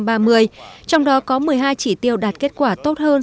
trong đó có một mươi hai chỉ tiêu đạt kết quả tốt hơn